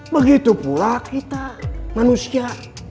begitu pula kita manusia